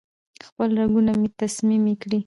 خپل رګونه مې تسمې کړې